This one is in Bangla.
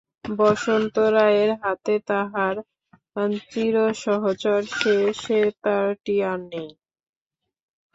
বসন্ত রায়ের হাতে তাঁহার চিরসহচর সে সেতারটি আর নাই।